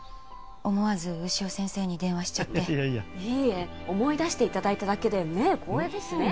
思わず潮先生に電話しちゃっていやいやいえ思い出していただいただけでねえ光栄ですね